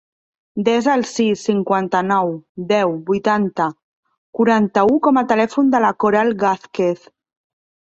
Desa el sis, cinquanta-nou, deu, vuitanta, quaranta-u com a telèfon de la Coral Gazquez.